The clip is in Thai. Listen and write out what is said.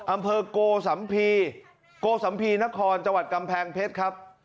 อำเภอโกสัมภีร์โกสัมภีนครจังหวัดกำแพงเพชรครับ